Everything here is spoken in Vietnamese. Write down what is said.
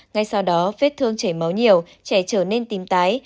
ngay sau đó vết thương chảy máu nhiều trẻ trở nên tìm tái